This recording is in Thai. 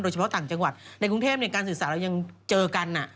โดยเฉพาะต่างจังหวัดในกรุงเทพเนี่ยการศึกษาเรายังเจอกัน